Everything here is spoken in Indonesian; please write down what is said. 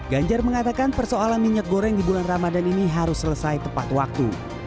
ganjar mengatakan persoalan minyak goreng di bulan ramadan ini harus selesai tepat waktu